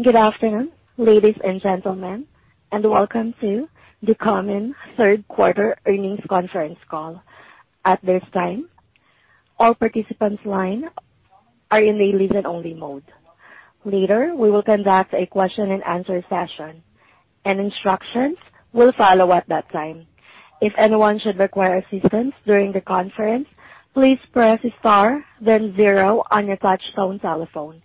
Good afternoon, ladies and gentlemen, and welcome to Ducommun's third quarter earnings conference call. At this time, all participants' line are in a listen-only mode. Later, we will conduct a question and answer session, and instructions will follow at that time. If anyone should require assistance during the conference, please press star then zero on your touch-tone telephone.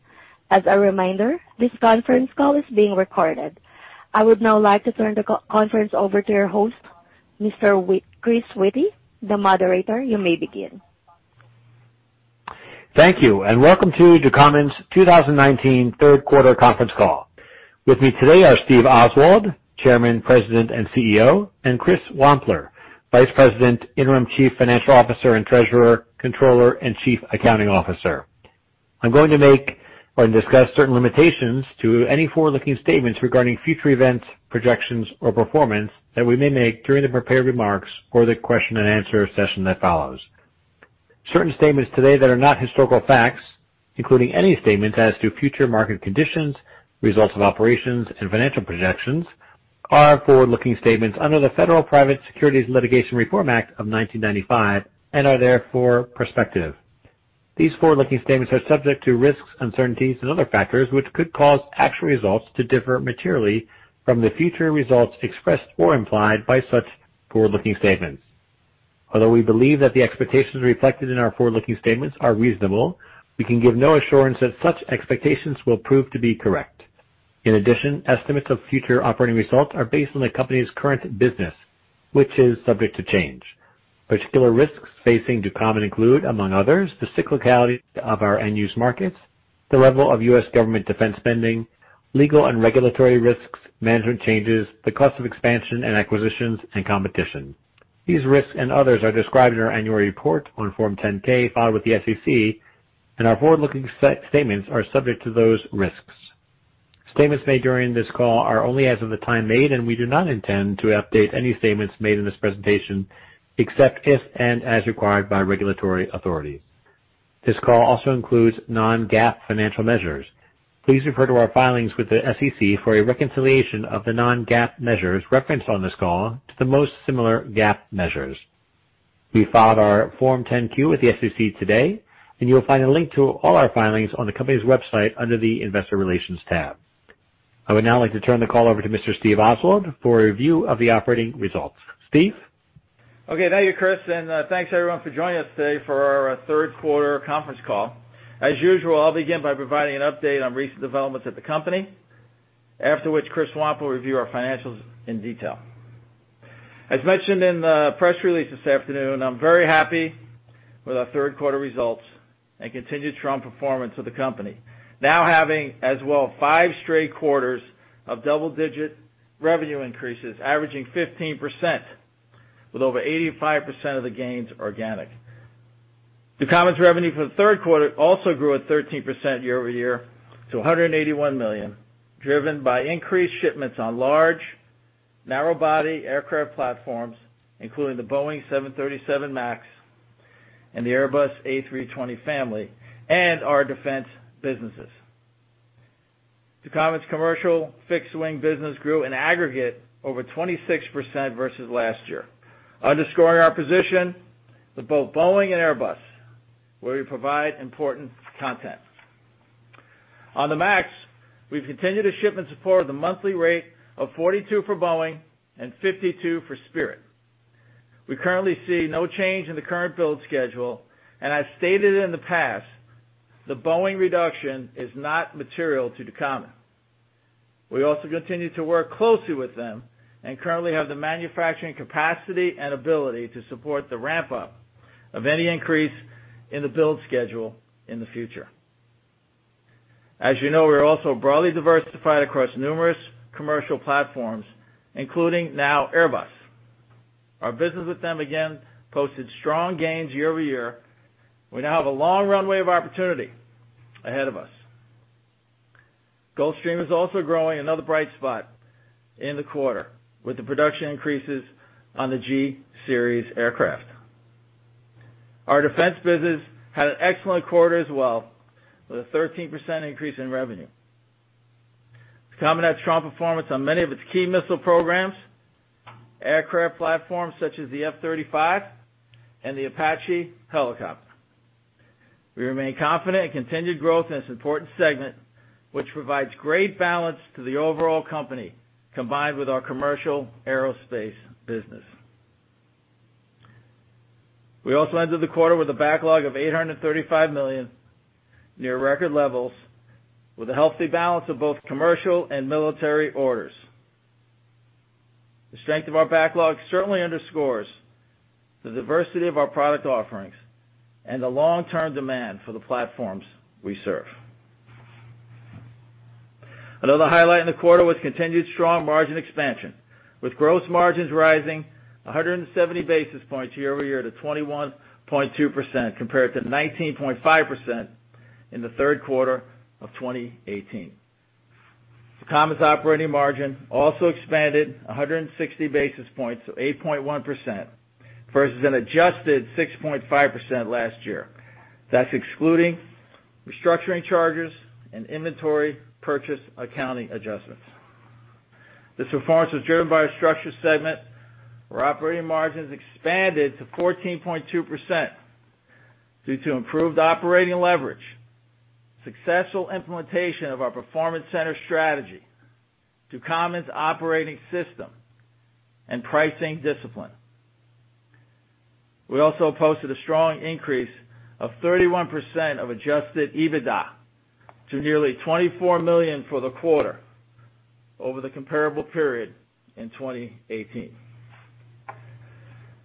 As a reminder, this conference call is being recorded. I would now like to turn the conference over to your host, Mr. Chris Whitty, the moderator. You may begin. Thank you. Welcome to Ducommun's 2019 third quarter conference call. With me today are Steve Oswald, Chairman, President, and CEO, and Chris Wampler, Vice President, Interim Chief Financial Officer and Treasurer, Controller, and Chief Accounting Officer. I'm going to make or discuss certain limitations to any forward-looking statements regarding future events, projections, or performance that we may make during the prepared remarks or the question and answer session that follows. Certain statements today that are not historical facts, including any statements as to future market conditions, results of operations, and financial projections are forward-looking statements under the Federal Private Securities Litigation Reform Act of 1995 and are therefore prospective. These forward-looking statements are subject to risks, uncertainties, and other factors which could cause actual results to differ materially from the future results expressed or implied by such forward-looking statements. Although we believe that the expectations reflected in our forward-looking statements are reasonable, we can give no assurance that such expectations will prove to be correct. In addition, estimates of future operating results are based on the company's current business, which is subject to change. Particular risks facing Ducommun include, among others, the cyclicality of our end-use markets, the level of U.S. government defense spending, legal and regulatory risks, management changes, the cost of expansion and acquisitions, and competition. These risks and others are described in our annual report on Form 10-K filed with the SEC, and our forward-looking statements are subject to those risks. Statements made during this call are only as of the time made, and we do not intend to update any statements made in this presentation, except if and as required by regulatory authorities. This call also includes non-GAAP financial measures. Please refer to our filings with the SEC for a reconciliation of the non-GAAP measures referenced on this call to the most similar GAAP measures. We filed our Form 10-Q with the SEC today, and you'll find a link to all our filings on the company's website under the investor relations tab. I would now like to turn the call over to Mr. Steve Oswald for a review of the operating results. Steve? Okay. Thank you, Chris. Thanks, everyone, for joining us today for our third quarter conference call. As usual, I'll begin by providing an update on recent developments at the company, after which Christopher D. Wampler will review our financials in detail. As mentioned in the press release this afternoon, I'm very happy with our third quarter results and continued strong performance of the company. Now having as well five straight quarters of double-digit revenue increases averaging 15%, with over 85% of the gains organic. Ducommun's revenue for the third quarter also grew at 13% year-over-year to $181 million, driven by increased shipments on large narrow-body aircraft platforms, including the Boeing 737 MAX and the Airbus A320 family, and our defense businesses. Ducommun's commercial fixed wing business grew in aggregate over 26% versus last year, underscoring our position with both Boeing and Airbus, where we provide important content. On the MAX, we've continued to ship in support of the monthly rate of 42 for Boeing and 52 for Spirit. We currently see no change in the current build schedule, and as stated in the past, the Boeing reduction is not material to Ducommun. We also continue to work closely with them and currently have the manufacturing capacity and ability to support the ramp-up of any increase in the build schedule in the future. As you know, we're also broadly diversified across numerous commercial platforms, including now Airbus. Our business with them again posted strong gains year-over-year. We now have a long runway of opportunity ahead of us. Gulfstream is also growing, another bright spot in the quarter, with the production increases on the G series aircraft. Our defense business had an excellent quarter as well, with a 13% increase in revenue. Ducommun had strong performance on many of its key missile programs, aircraft platforms such as the F-35 and the Apache helicopter. We remain confident in continued growth in this important segment, which provides great balance to the overall company, combined with our commercial aerospace business. We also ended the quarter with a backlog of $835 million, near record levels, with a healthy balance of both commercial and military orders. The strength of our backlog certainly underscores the diversity of our product offerings and the long-term demand for the platforms we serve. Another highlight in the quarter was continued strong margin expansion, with gross margins rising 170 basis points year-over-year to 21.2% compared to 19.5% in the third quarter of 2018. Ducommun's operating margin also expanded 160 basis points to 8.1% versus an adjusted 6.5% last year. That's excluding restructuring charges and inventory purchase accounting adjustments. This performance was driven by our Structural Systems segment, where operating margins expanded to 14.2% due to improved operating leverage, successful implementation of our performance center strategy, Ducommun's operating system, and pricing discipline. We also posted a strong increase of 31% of adjusted EBITDA to nearly $24 million for the quarter over the comparable period in 2018.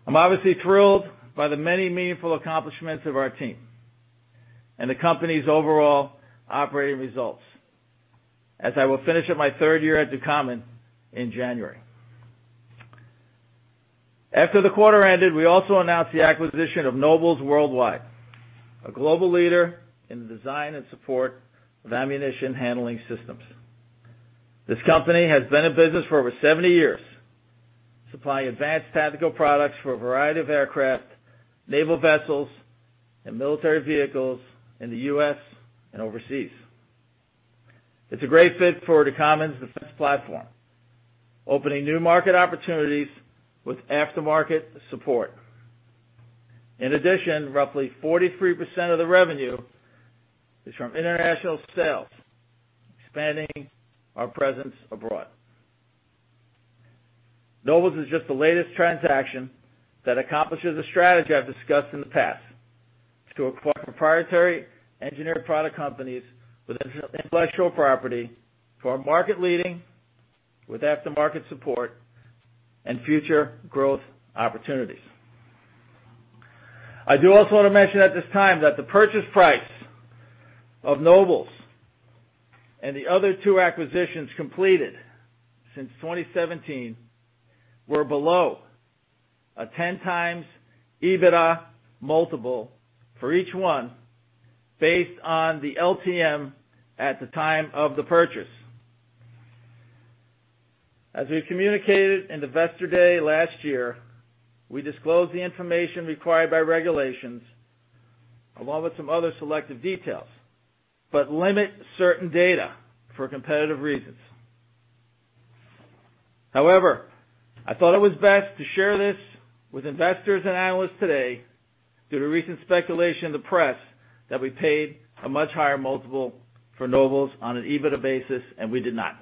I'm obviously thrilled by the many meaningful accomplishments of our team and the company's overall operating results, as I will finish up my third year at Ducommun in January. After the quarter ended, we also announced the acquisition of Nobles Worldwide, a global leader in the design and support of ammunition handling systems. This company has been in business for over 70 years, supplying advanced tactical products for a variety of aircraft, naval vessels, and military vehicles in the U.S. and overseas. It's a great fit for Ducommun's defense platform, opening new market opportunities with after-market support. In addition, roughly 43% of the revenue is from international sales, expanding our presence abroad. Nobles is just the latest transaction that accomplishes the strategy I've discussed in the past to acquire proprietary engineered product companies with intellectual property for our market leading, with after-market support and future growth opportunities. I do also want to mention at this time that the purchase price of Nobles and the other two acquisitions completed since 2017 were below a 10x EBITDA multiple for each one, based on the LTM at the time of the purchase. As we communicated in Investor Day last year, we disclosed the information required by regulations, along with some other selective details, but limit certain data for competitive reasons. I thought it was best to share this with investors and analysts today due to recent speculation in the press that we paid a much higher multiple for Nobles on an EBITDA basis, and we did not.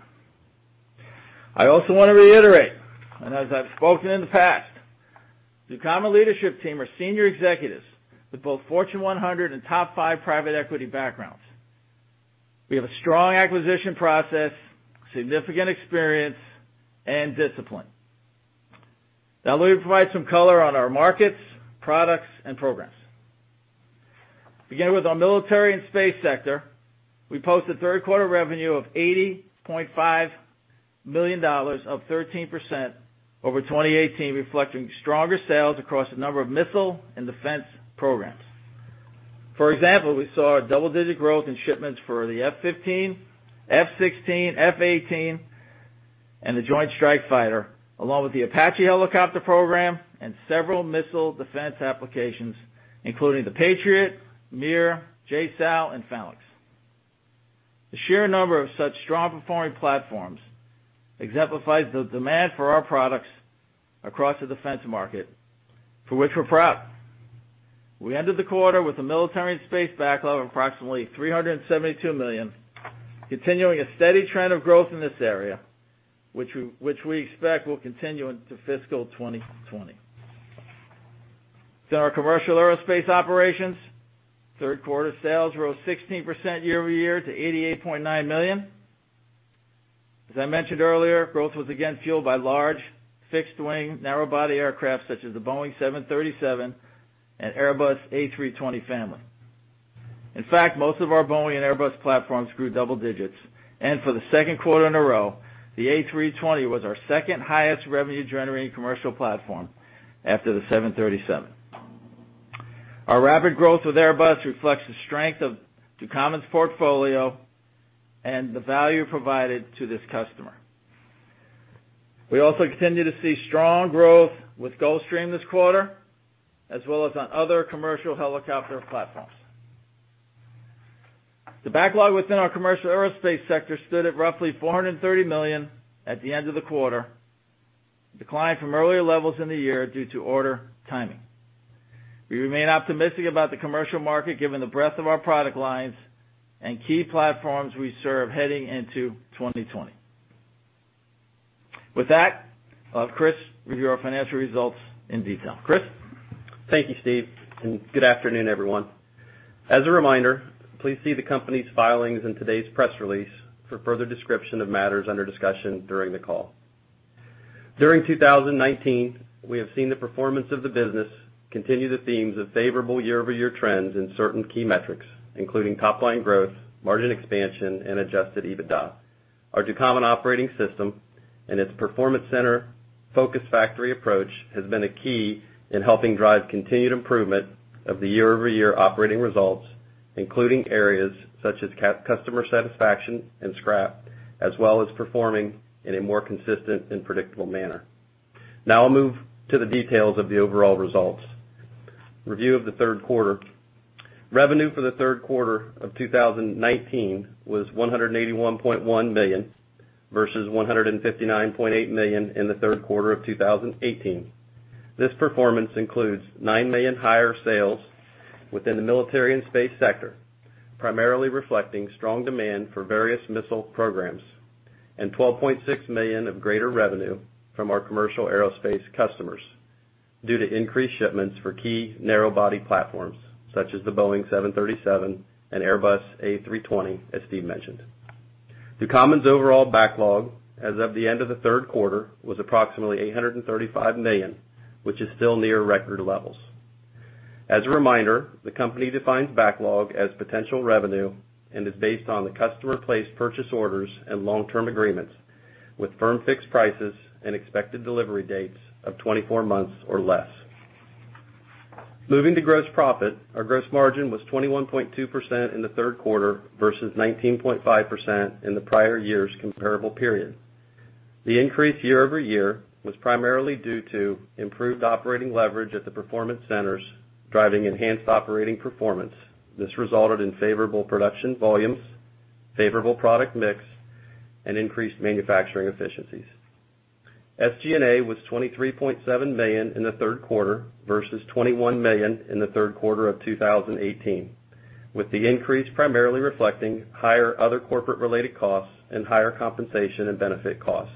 I also want to reiterate, and as I've spoken in the past, Ducommun leadership team are senior executives with both Fortune 100 and top five private equity backgrounds. We have a strong acquisition process, significant experience, and discipline. Now let me provide some color on our markets, products, and programs. Beginning with our military and space sector, we posted third quarter revenue of $80.5 million, up 13% over 2018, reflecting stronger sales across a number of missile and defense programs. For example, we saw a double-digit growth in shipments for the F-15, F-16, F-18, and the Joint Strike Fighter, along with the Apache helicopter program and several missile defense applications, including the Patriot, MIR, JSOW, and Phalanx. The sheer number of such strong performing platforms exemplifies the demand for our products across the defense market, for which we're proud. We ended the quarter with a military and space backlog of approximately $372 million, continuing a steady trend of growth in this area, which we expect will continue into fiscal 2020. Our commercial aerospace operations, third quarter sales rose 16% year-over-year to $88.9 million. As I mentioned earlier, growth was again fueled by large, fixed wing, narrow body aircraft such as the Boeing 737 and Airbus A320 family. In fact, most of our Boeing and Airbus platforms grew double digits, and for the second quarter in a row, the A320 was our second highest revenue generating commercial platform after the 737. Our rapid growth with Airbus reflects the strength of Ducommun's portfolio and the value provided to this customer. We also continue to see strong growth with Gulfstream this quarter, as well as on other commercial helicopter platforms. The backlog within our commercial aerospace sector stood at roughly $430 million at the end of the quarter, declined from earlier levels in the year due to order timing. We remain optimistic about the commercial market, given the breadth of our product lines and key platforms we serve heading into 2020. With that, I'll have Chris review our financial results in detail. Chris? Thank you, Steve, and good afternoon, everyone. As a reminder, please see the company's filings in today's press release for further description of matters under discussion during the call. During 2019, we have seen the performance of the business continue the themes of favorable year-over-year trends in certain key metrics, including top line growth, margin expansion, and adjusted EBITDA. Our Ducommun operating system and its performance center-focused factory approach has been a key in helping drive continued improvement of the year-over-year operating results, including areas such as customer satisfaction and scrap, as well as performing in a more consistent and predictable manner. I'll move to the details of the overall results. Review of the third quarter. Revenue for the third quarter of 2019 was $181.1 million, versus $159.8 million in the third quarter of 2018. This performance includes $9 million higher sales within the military and space sector, primarily reflecting strong demand for various missile programs, and $12.6 million of greater revenue from our commercial aerospace customers due to increased shipments for key narrow body platforms such as the Boeing 737 and Airbus A320, as Steve mentioned. Ducommun's overall backlog as of the end of the third quarter was approximately $835 million, which is still near record levels. As a reminder, the company defines backlog as potential revenue and is based on the customer placed purchase orders and long-term agreements with firm fixed prices and expected delivery dates of 24 months or less. Moving to gross profit. Our gross margin was 21.2% in the third quarter versus 19.5% in the prior year's comparable period. The increase year-over-year was primarily due to improved operating leverage at the performance centers driving enhanced operating performance. This resulted in favorable production volumes, favorable product mix, and increased manufacturing efficiencies. SG&A was $23.7 million in the third quarter versus $21 million in the third quarter of 2018. With the increase primarily reflecting higher other corporate related costs and higher compensation and benefit costs.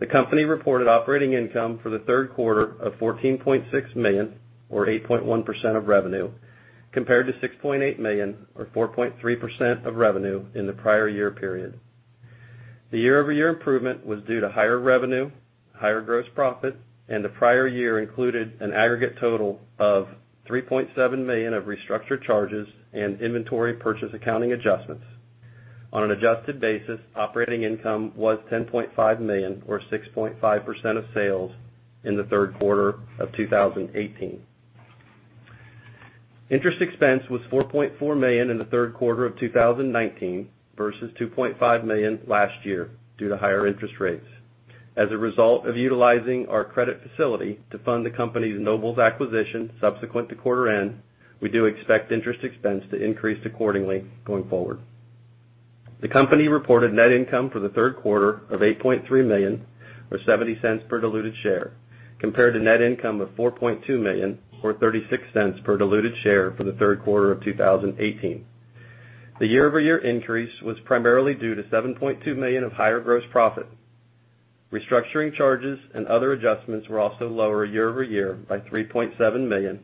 The company reported operating income for the third quarter of $14.6 million or 8.1% of revenue, compared to $6.8 million or 4.3% of revenue in the prior year period. The year-over-year improvement was due to higher revenue, higher gross profit, and the prior year included an aggregate total of $3.7 million of restructure charges and inventory purchase accounting adjustments. On an adjusted basis, operating income was $10.5 million or 6.5% of sales in the third quarter of 2018. Interest expense was $4.4 million in the third quarter of 2019 versus $2.5 million last year due to higher interest rates. As a result of utilizing our credit facility to fund the company's Nobles acquisition subsequent to quarter end, we do expect interest expense to increase accordingly going forward. The company reported net income for the third quarter of $8.3 million, or $0.70 per diluted share, compared to net income of $4.2 million or $0.36 per diluted share for the third quarter of 2018. The year-over-year increase was primarily due to $7.2 million of higher gross profit. Restructuring charges and other adjustments were also lower year-over-year by $3.7 million,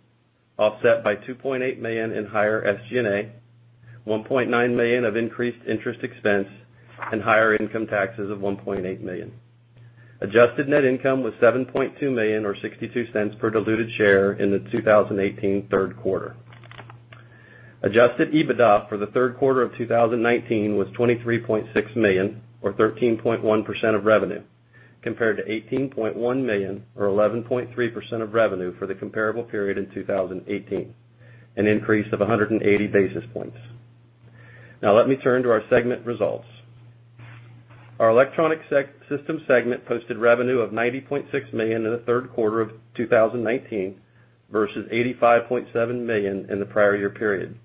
offset by $2.8 million in higher SG&A, $1.9 million of increased interest expense, and higher income taxes of $1.8 million. Adjusted net income was $7.2 million or $0.62 per diluted share in the 2018 third quarter. Adjusted EBITDA for the third quarter of 2019 was $23.6 million or 13.1% of revenue, compared to $18.1 million or 11.3% of revenue for the comparable period in 2018, an increase of 180 basis points. Now let me turn to our segment results. Our Electronic Systems segment posted revenue of $90.6 million in the third quarter of 2019 versus $85.7 million in the prior year period.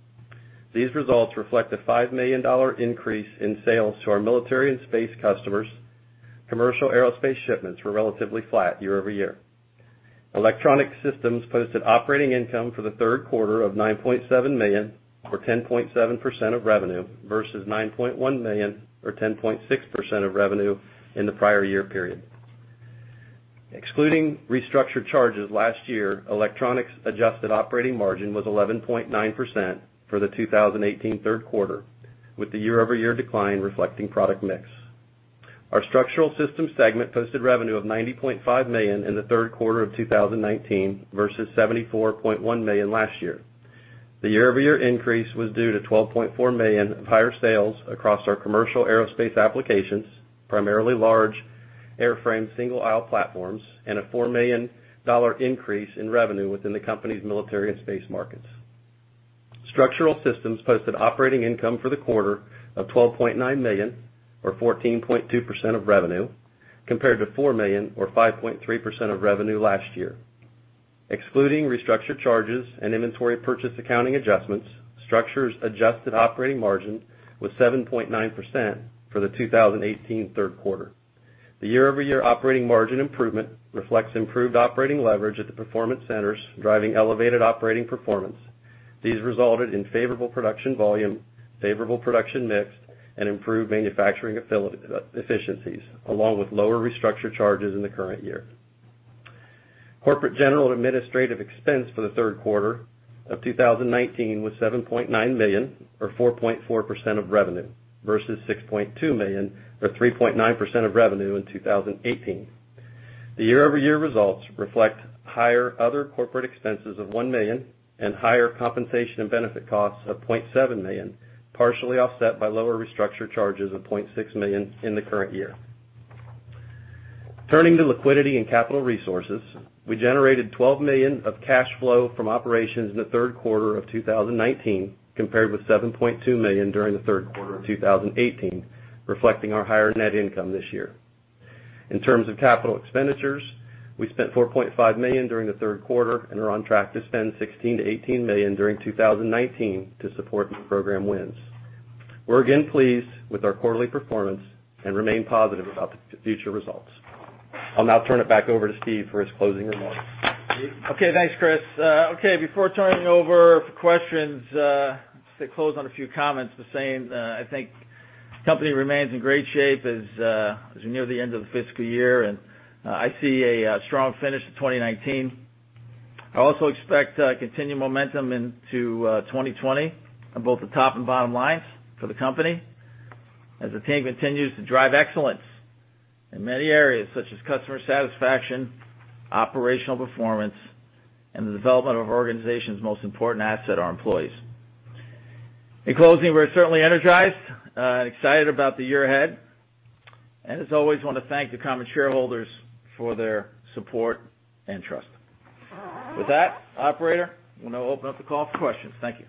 These results reflect a $5 million increase in sales to our military and space customers. Commercial aerospace shipments were relatively flat year-over-year. Electronic Systems posted operating income for the third quarter of $9.7 million or 10.7% of revenue, versus $9.1 million or 10.6% of revenue in the prior year period. Excluding restructure charges last year, electronics adjusted operating margin was 11.9% for the 2018 third quarter, with the year-over-year decline reflecting product mix. Our Structural Systems segment posted revenue of $90.5 million in the third quarter of 2019 versus $74.1 million last year. The year-over-year increase was due to $12.4 million of higher sales across our commercial aerospace applications, primarily large airframe single aisle platforms, and a $4 million increase in revenue within the company's military and space markets. Structural Systems posted operating income for the quarter of $12.9 million or 14.2% of revenue, compared to $4 million or 5.3% of revenue last year. Excluding restructure charges and inventory purchase accounting adjustments, Structures adjusted operating margin was 7.9% for the 2018 third quarter. The year-over-year operating margin improvement reflects improved operating leverage at the performance centers driving elevated operating performance. These resulted in favorable production volume, favorable production mix, and improved manufacturing efficiencies, along with lower restructure charges in the current year. Corporate general administrative expense for the third quarter of 2019 was $7.9 million or 4.4% of revenue, versus $6.2 million or 3.9% of revenue in 2018. The year-over-year results reflect higher other corporate expenses of $1 million and higher compensation and benefit costs of $0.7 million, partially offset by lower restructure charges of $0.6 million in the current year. Turning to liquidity and capital resources, we generated $12 million of cash flow from operations in the third quarter of 2019, compared with $7.2 million during the third quarter of 2018, reflecting our higher net income this year. In terms of capital expenditures, we spent $4.5 million during the third quarter and are on track to spend $16 million-$18 million during 2019 to support new program wins. We're again pleased with our quarterly performance and remain positive about the future results. I'll now turn it back over to Steve for his closing remarks. Thanks, Chris. Before turning over for questions, just to close on a few comments by saying, I think the company remains in great shape as we near the end of the fiscal year, and I see a strong finish to 2019. I also expect continued momentum into 2020 on both the top and bottom lines for the company, as the team continues to drive excellence in many areas such as customer satisfaction, operational performance, and the development of our organization's most important asset, our employees. In closing, we're certainly energized and excited about the year ahead. As always, want to thank the common shareholders for their support and trust. With that, operator, we'll now open up the call for questions. Thank you.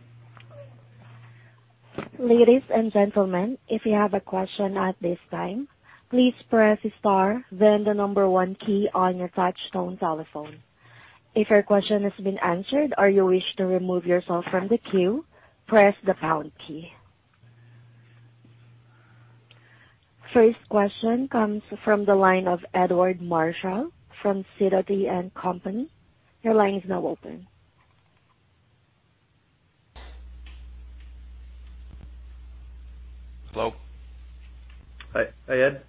Ladies and gentlemen, if you have a question at this time, please press star then the number one key on your touchtone telephone. If your question has been answered or you wish to remove yourself from the queue, press the pound key. First question comes from the line of Edward Marshall from Citadel D and Company. Your line is now open. Hello. Hi, Ed.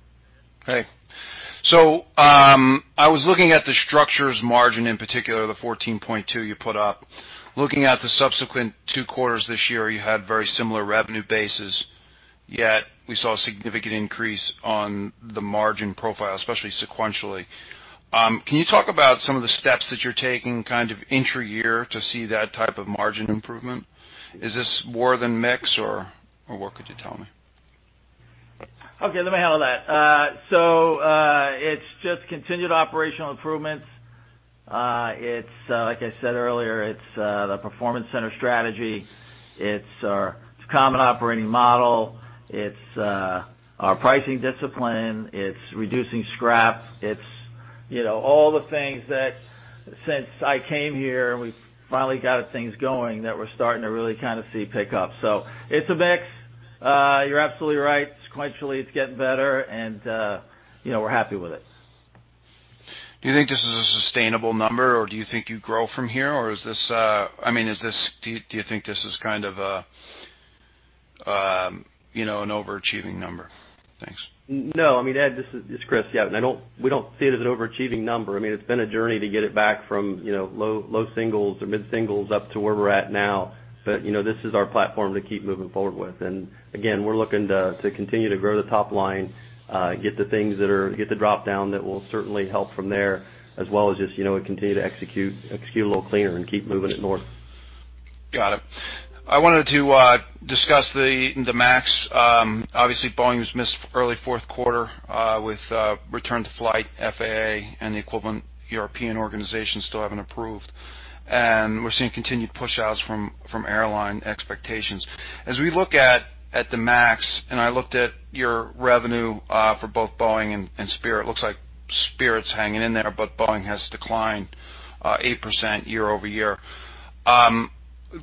Hey. I was looking at the structures margin, in particular, the 14.2 you put up. Looking at the subsequent two quarters this year, you had very similar revenue bases, yet we saw a significant increase on the margin profile, especially sequentially. Can you talk about some of the steps that you're taking kind of intra-year to see that type of margin improvement? Is this more than mix or what could you tell me? Okay, let me handle that. It's just continued operational improvements. Like I said earlier, it's the performance center strategy. It's our common operating model. It's our pricing discipline. It's reducing scrap. It's all the things that since I came here, and we finally got things going, that we're starting to really kind of see pick up. It's a mix. You're absolutely right. Sequentially, it's getting better and we're happy with it. Do you think this is a sustainable number, or do you think you grow from here? Or do you think this is kind of an overachieving number? Thanks. No, Ed, this is Chris. Yeah, we don't see it as an overachieving number. It's been a journey to get it back from low singles or mid-singles up to where we're at now. This is our platform to keep moving forward with. Again, we're looking to continue to grow the top line, get the things that are, get the drop-down that will certainly help from there, as well as just continue to execute a little cleaner and keep moving it north. Got it. I wanted to discuss the MAX. Obviously, Boeing's missed early fourth quarter, with return to flight, FAA, and the equivalent European organizations still haven't approved. We're seeing continued push outs from airline expectations. As we look at the MAX, and I looked at your revenue for both Boeing and Spirit, looks like Spirit's hanging in there, but Boeing has declined 8% year-over-year.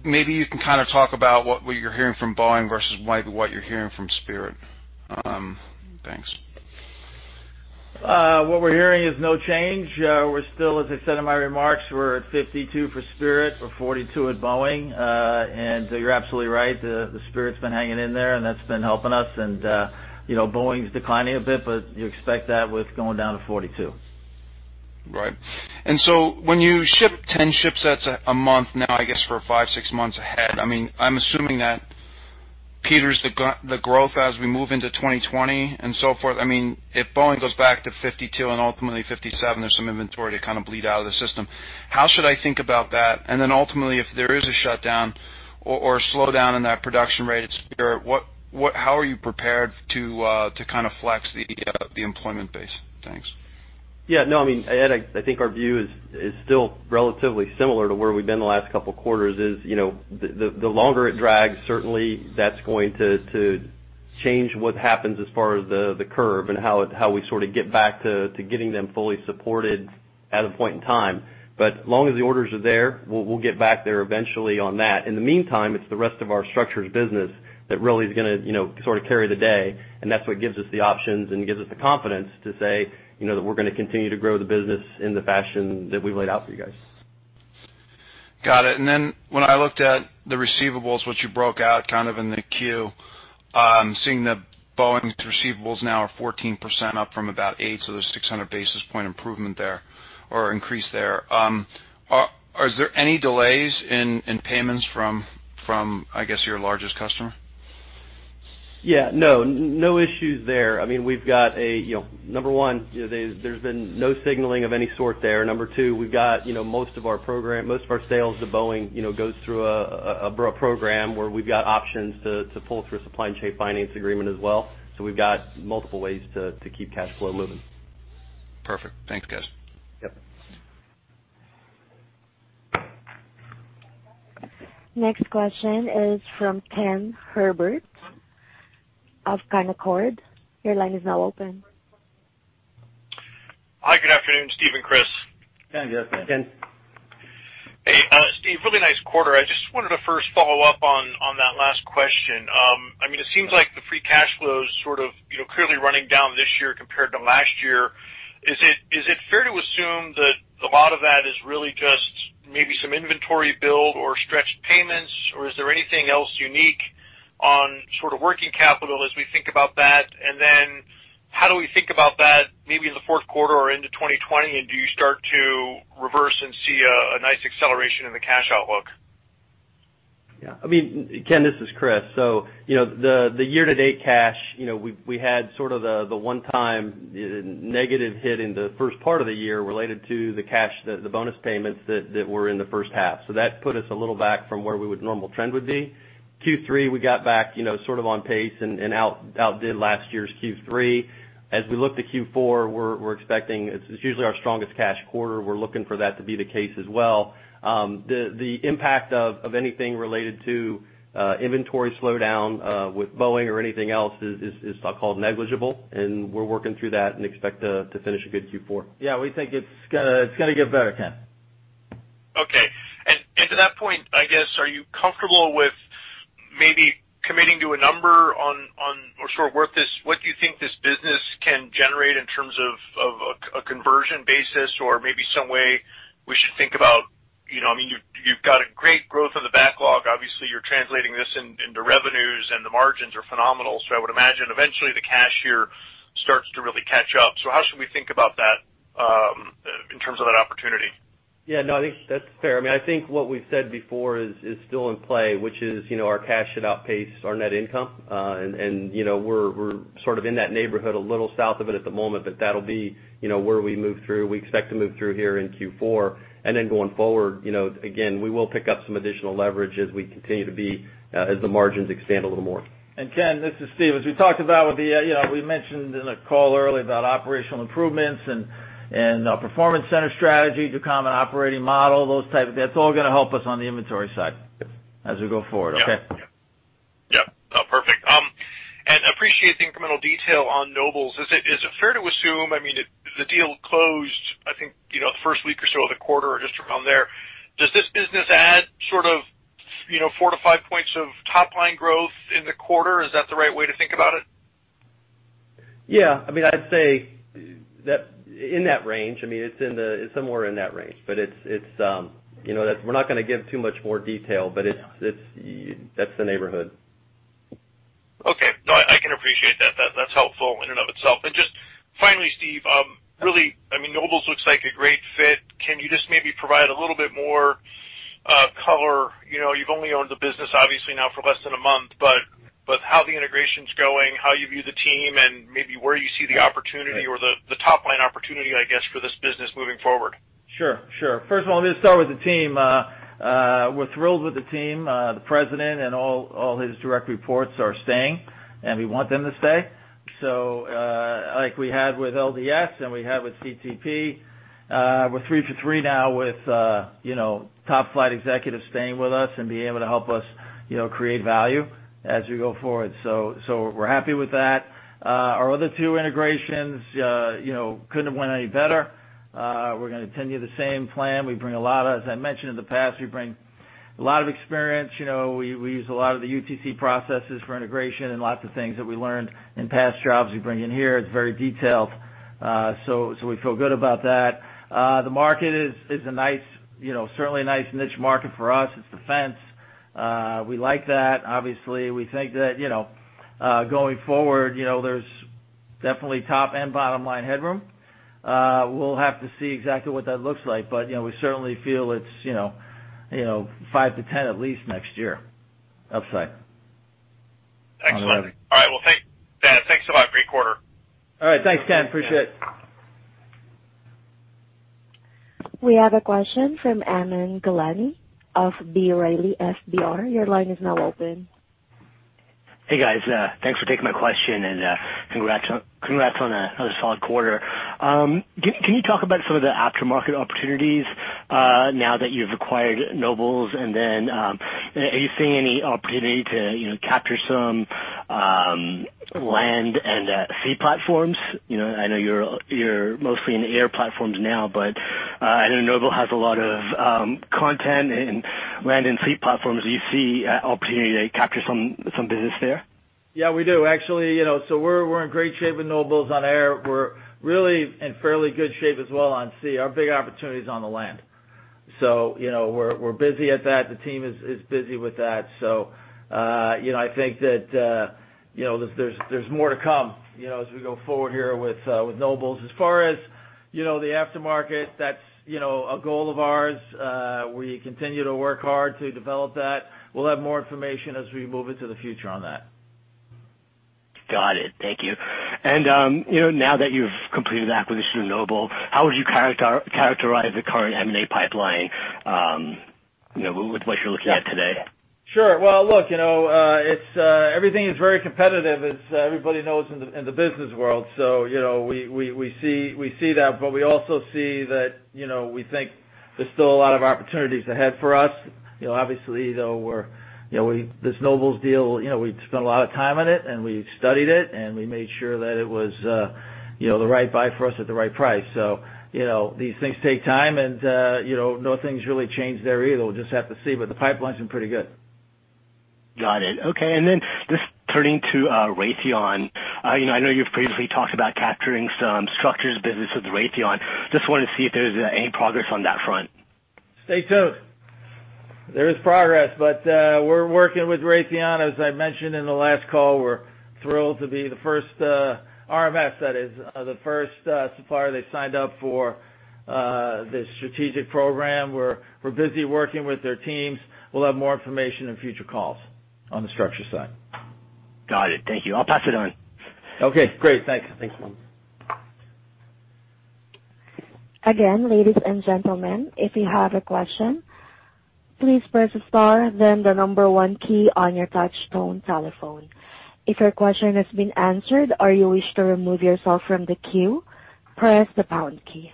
Maybe you can kind of talk about what you're hearing from Boeing versus maybe what you're hearing from Spirit. Thanks. What we're hearing is no change. We're still, as I said in my remarks, we're at 52 for Spirit. We're 42 at Boeing. You're absolutely right. The Spirit's been hanging in there, and that's been helping us. Boeing's declining a bit, but you expect that with going down to 42. Right. When you ship 10 ship sets a month now, I guess, for five, six months ahead, I am assuming that peters the growth as we move into 2020 and so forth. If Boeing goes back to 52 and ultimately 57, there is some inventory to kind of bleed out of the system. How should I think about that? Ultimately, if there is a shutdown or a slowdown in that production rate at Spirit, how are you prepared to kind of flex the employment base? Thanks. Yeah. No, Ed, I think our view is still relatively similar to where we've been the last couple of quarters. The longer it drags, certainly that's going to change what happens as far as the curve and how we sort of get back to getting them fully supported at a point in time. Long as the orders are there, we'll get back there eventually on that. In the meantime, it's the rest of our structures business that really is going to sort of carry the day, and that's what gives us the options and gives us the confidence to say that we're going to continue to grow the business in the fashion that we've laid out for you guys. Got it. When I looked at the receivables, which you broke out kind of in the queue, seeing that Boeing's receivables now are 14% up from about 8%, so there's 600 basis point improvement there, or increase there. Is there any delays in payments from, I guess, your largest customer? Yeah. No issues there. We've got number one, there's been no signaling of any sort there. Number two, we've got most of our sales to Boeing goes through a program where we've got options to pull through a supply and chain finance agreement as well. We've got multiple ways to keep cash flow moving. Perfect. Thanks, guys. Yep. Next question is from Ken Herbert of Canaccord. Your line is now open. Hi, good afternoon, Steve and Chris. Ken, yes, man. Ken. Hey, Steve, really nice quarter. I just wanted to first follow up on that last question. It seems like the free cash flow is sort of clearly running down this year compared to last year. Is it fair to assume that a lot of that is really just maybe some inventory build or stretched payments, or is there anything else unique on sort of working capital as we think about that? How do we think about that maybe in the fourth quarter or into 2020, and do you start to reverse and see a nice acceleration in the cash outlook? Yeah. Ken, this is Chris. The year-to-date cash, we had sort of the one-time negative hit in the first part of the year related to the cash, the bonus payments that were in the first half. That put us a little back from where we would normal trend would be. Q3, we got back sort of on pace and outdid last year's Q3. As we look to Q4, we're expecting, it's usually our strongest cash quarter. We're looking for that to be the case as well. The impact of anything related to inventory slowdown with Boeing or anything else is, I'll call it, negligible, and we're working through that and expect to finish a good Q4. Yeah, we think it's gonna get better, Ken. Okay. To that point, I guess, are you comfortable with maybe committing to a number on what you think this business can generate in terms of a conversion basis or maybe some way we should think about, you've got a great growth in the backlog? Obviously, you're translating this into revenues, and the margins are phenomenal. I would imagine eventually the cash here starts to really catch up. How should we think about that, in terms of that opportunity? Yeah, no, I think that's fair. I think what we've said before is still in play, which is, our cash should outpace our net income. We're sort of in that neighborhood, a little south of it at the moment, but that'll be where we move through. We expect to move through here in Q4. Then going forward, again, we will pick up some additional leverage as we continue to be, as the margins expand a little more. Ken, this is Steve. We mentioned in a call earlier about operational improvements and our performance center strategy, Ducommun operating model, those type of things. That's all gonna help us on the inventory side as we go forward. Okay. Yeah. Perfect. Appreciate the incremental detail on Nobles. Is it fair to assume, the deal closed, I think, the first week or so of the quarter or just around there. Does this business add sort of 4-5 points of top-line growth in the quarter? Is that the right way to think about it? Yeah, I'd say that in that range. It's somewhere in that range. We're not going to give too much more detail, but that's the neighborhood. Okay. No, I can appreciate that. That's helpful in and of itself. Just finally, Steve, really, Nobles looks like a great fit. Can you just maybe provide a little bit more color? You've only owned the business, obviously, now for less than a month, but how the integration's going, how you view the team, and maybe where you see the opportunity or the top-line opportunity, I guess, for this business moving forward? Sure. First of all, let me just start with the team. We're thrilled with the team. The president and all his direct reports are staying, and we want them to stay. Like we had with LDS and we had with CTP, we're three for three now with top flight executives staying with us and being able to help us create value as we go forward. We're happy with that. Our other two integrations couldn't have went any better. We're gonna continue the same plan. As I mentioned in the past, we bring a lot of experience. We use a lot of the UTC processes for integration and lots of things that we learned in past jobs we bring in here. It's very detailed. We feel good about that. The market is certainly a nice niche market for us. It's defense. We like that. Obviously, we think that going forward, there's definitely top and bottom-line headroom. We'll have to see exactly what that looks like, but we certainly feel it's 5-10 at least next year upside. Excellent. All right. Well, thanks, guys. Thanks a lot. Great quarter. All right. Thanks, Ken. Appreciate it. We have a question from Aman Gulani of B. Riley FBR. Your line is now open. Hey, guys. Thanks for taking my question, and congrats on another solid quarter. Can you talk about some of the aftermarket opportunities now that you've acquired Nobles? Are you seeing any opportunity to capture some land and sea platforms? I know you're mostly in air platforms now, but I know Nobles has a lot of content in land and sea platforms. Do you see an opportunity to capture some business there? Yeah, we do, actually. We're in great shape with Nobles on air. We're really in fairly good shape as well on sea. Our big opportunity is on the land. We're busy at that. The team is busy with that. I think that there's more to come as we go forward here with Nobles. As far as the aftermarket, that's a goal of ours. We continue to work hard to develop that. We'll have more information as we move into the future on that. Got it. Thank you. Now that you've completed the acquisition of Nobles, how would you characterize the current M&A pipeline, with what you're looking at today? Sure. Well, look, everything is very competitive as everybody knows in the business world. We see that, but we also see that, we think there's still a lot of opportunities ahead for us. Obviously, though, this Nobles deal, we spent a lot of time on it, and we studied it, and we made sure that it was the right buy for us at the right price. These things take time and no things really change there either. We'll just have to see, but the pipeline's been pretty good. Got it. Okay. Just turning to Raytheon. I know you've previously talked about capturing some structures business with Raytheon. Just wanted to see if there's any progress on that front. Stay tuned. There is progress, but we're working with Raytheon, as I mentioned in the last call. We're thrilled to be the first RMF, that is, the first supplier they signed up for this strategic program. We're busy working with their teams. We'll have more information in future calls on the structure side. Got it. Thank you. I'll pass it on. Okay, great. Thanks. Thanks. Again, ladies and gentlemen, if you have a question, please press star then the number one key on your touch tone telephone. If your question has been answered or you wish to remove yourself from the queue, press the pound key.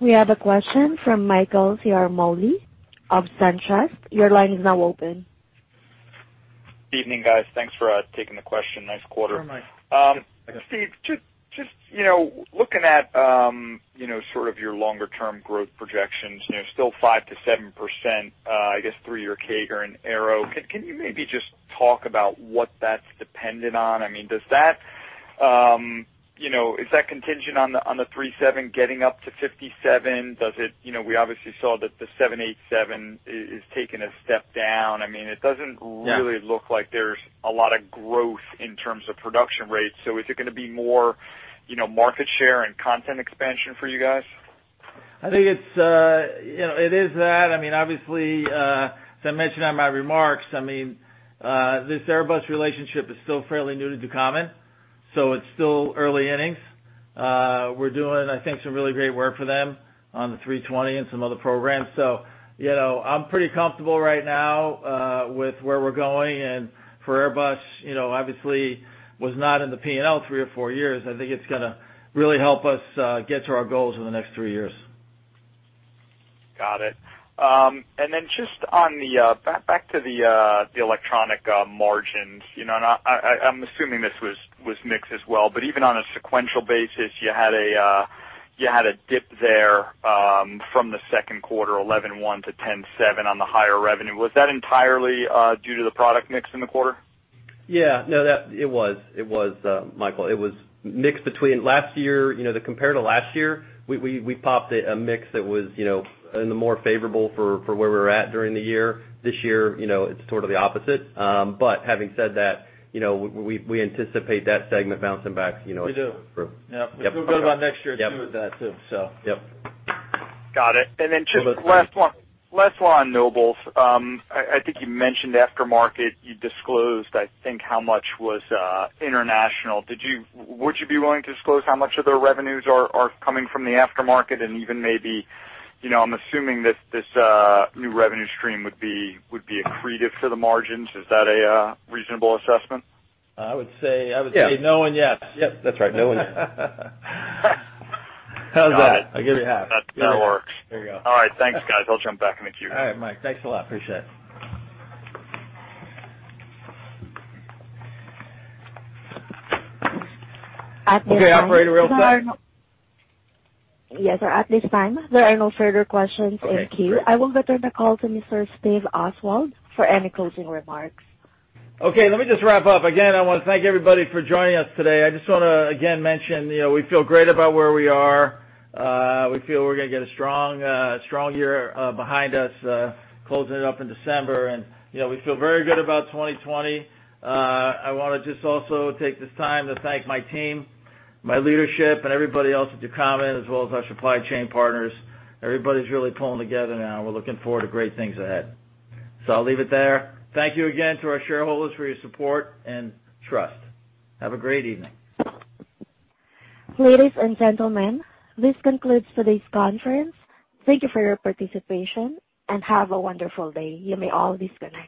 We have a question from Michael Ciarmoli of SunTrust. Your line is now open. Evening, guys. Thanks for taking the question. Nice quarter. Sure, Mike. Steve, just looking at sort of your longer term growth projections, still 5% to 7%, I guess 3-year CAGR and aero. Can you maybe just talk about what that's dependent on? I mean, is that contingent on the 737 getting up to 57? We obviously saw that the 787 is taking a step down. I mean, it doesn't really look like there's a lot of growth in terms of production rates. So is it gonna be more market share and content expansion for you guys? I think it is that. I mean, obviously, as I mentioned on my remarks, this Airbus relationship is still fairly new to Ducommun, it's still early innings. We're doing, I think, some really great work for them on the 320 and some other programs. I'm pretty comfortable right now with where we're going. For Airbus, obviously, was not in the P&L three or four years. I think it's gonna really help us get to our goals in the next three years. Got it. Back to the electronic margins. I'm assuming this was mixed as well, but even on a sequential basis, you had a dip there from the second quarter, 11.1% to 10.7% on the higher revenue. Was that entirely due to the product mix in the quarter? Yeah. No, it was, Michael. It was mixed between last year, the compare to last year, we popped a mix that was in the more favorable for where we're at during the year. This year, it's sort of the opposite. Having said that, we anticipate that segment bouncing back. We do. Yep. We'll build on next year, too, with that, too. Yep. Got it. Just last one on Nobles. I think you mentioned aftermarket. You disclosed, I think, how much was international. Would you be willing to disclose how much of their revenues are coming from the aftermarket, and even maybe, I'm assuming that this new revenue stream would be accretive to the margins. Is that a reasonable assessment? I would say- Yeah. I would say no and yes. Yep, that's right. No and yes. How's that? Got it. I'll give you half. That works. There you go. All right. Thanks, guys. I'll jump back in the queue. All right, Mike. Thanks a lot. Appreciate it. At this time. Okay, operator, we all set? Yes, sir. At this time, there are no further questions in queue. Okay, great. I will return the call to Mr. Steve Oswald for any closing remarks. I want to thank everybody for joining us today. I just want to again mention, we feel great about where we are. We feel we're gonna get a strong year behind us, closing it up in December. We feel very good about 2020. I want to just also take this time to thank my team, my leadership, and everybody else at Ducommun, as well as our supply chain partners. Everybody's really pulling together now, and we're looking forward to great things ahead. I'll leave it there. Thank you again to our shareholders for your support and trust. Have a great evening. Ladies and gentlemen, this concludes today's conference. Thank you for your participation, and have a wonderful day. You may all disconnect.